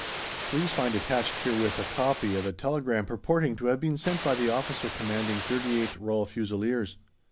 Please find attached herewith a copy of a telegram purporting to have been sent by the Officer Commanding 38th Royal Fusiliers.